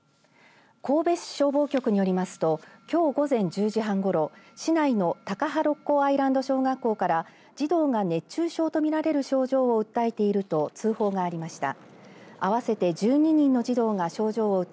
神戸市消防局によりますときょう午前１０時半ごろ市内の小学校から児童が熱中症とみられる症状を訴えていると通報がありました。